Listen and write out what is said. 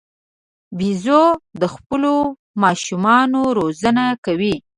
بیزو د خپلو ماشومانو روزنه کوي.